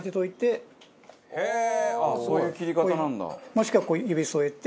もしくは指添えて。